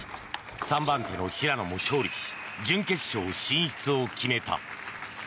３番手の平野も勝利し準決勝進出を決めた。